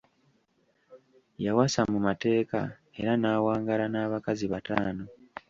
Yawasa mu mateeka era n'awangaala n'abakazi bataano.